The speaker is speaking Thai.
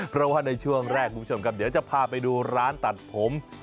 เพราะว่าในช่วงแรกคุณผู้ชมครับเดี๋ยวจะพาไปดูร้านตัดผม